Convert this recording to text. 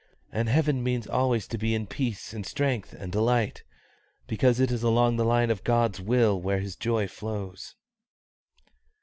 And heaven means always to be in peace and strength and delight, because it is along the line of God's will where His joy flows."